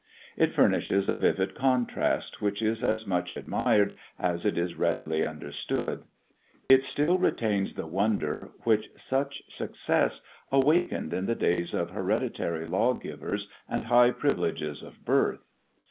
It furnishes a vivid contrast which is as much admired as it is readily understood. It still retains the wonder which such success awakened in the days of hereditary lawgivers and high privileges of birth.